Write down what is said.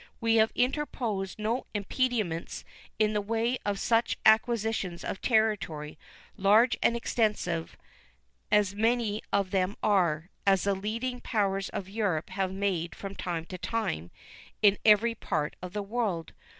We have interposed no impediments in the way of such acquisitions of territory, large and extensive as many of them are, as the leading powers of Europe have made from time to time in every part of the world.